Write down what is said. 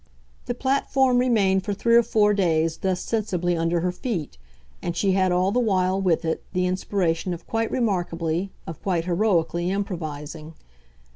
The platform remained for three or four days thus sensibly under her feet, and she had all the while, with it, the inspiration of quite remarkably, of quite heroically improvising.